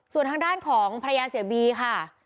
ส่วนทางด้านของภรรยาเสียบีค่ะ